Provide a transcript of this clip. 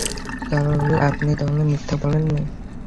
আপনি তাহলে মিথ্যে বলেননি?